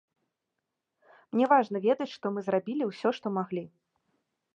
Мне важна ведаць, што мы зрабілі ўсё, што маглі.